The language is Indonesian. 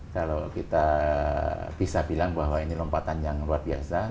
kalau kita bisa bilang bahwa ini lompatan yang luar biasa